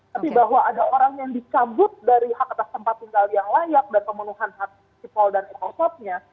tapi bahwa ada orang yang dicabut dari hak atas tempat tinggal yang layak dan pemenuhan hak sipol dan ekosopnya